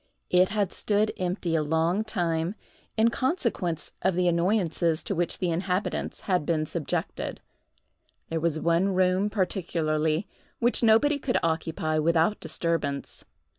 It had stood empty a long time, in consequence of the annoyances to which the inhabitants had been subjected. There was one room, particularly, which nobody could occupy without disturbance.